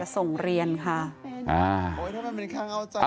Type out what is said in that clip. จะส่งเรียนค่ะ